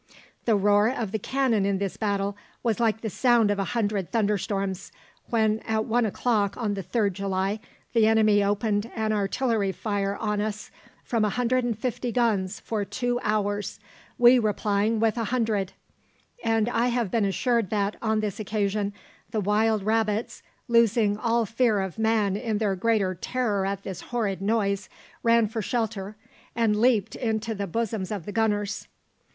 The roar of the cannon in this battle was like the sound of a hundred thunderstorms, when, at one o'clock on the 3rd July, the enemy opened an artillery fire on us from 150 guns for two hours, we replying with 100; and I have been assured that, on this occasion, the wild rabbits, losing all fear of man in their greater terror at this horrid noise, ran for shelter, and leaped into the bosoms of the gunners.